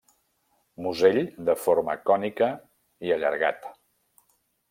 Musell de forma cònica i allargat.